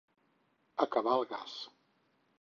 Acabar el gas.